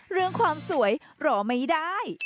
เรื่องความสวยรอไม่ได้